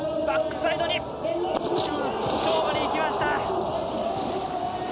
バックサイドに、勝負にいきました。